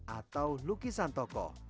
atau lukisan toko